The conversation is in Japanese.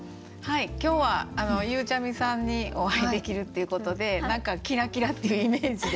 今日はゆうちゃみさんにお会いできるっていうことで何か「キラキラ」っていうイメージで。